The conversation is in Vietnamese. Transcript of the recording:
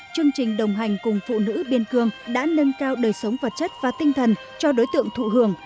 chương trình đồng hành cùng phụ nữ biên cương đã nâng cao đời sống vật chất và tinh thần cho đối tượng thụ hưởng